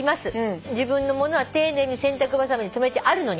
「自分のものは丁寧に洗濯ばさみでとめてあるのに」